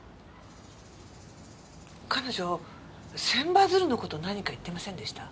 彼女千羽鶴の事何か言ってませんでした？